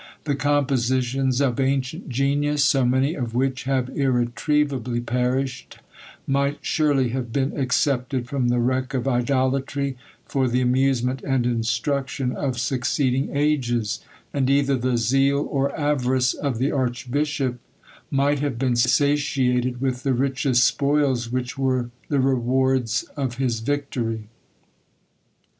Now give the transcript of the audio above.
The compositions of ancient genius, so many of which have irretrievably perished, might surely have been excepted from the wreck of idolatry, for the amusement and instruction of succeeding ages; and either the zeal or avarice of the archbishop might have been satiated with the richest spoils which were the rewards of his victory."